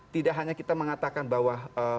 tidak hanya kita mengatakan bahwa